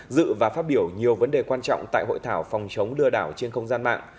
dự và phát biểu nhiều vấn đề quan trọng tại hội thảo phòng chống đưa đảo trên không gian mạng